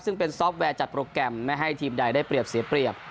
ซึ่งเป็นซอฟต์แวร์จัดโปรแกรมไม่ให้ทีมใดได้เปรียบเสียเปรียบ